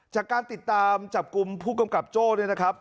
จากการติดตามจับกลุ่มผู้กำกับโจ้เนี่ยนะครับ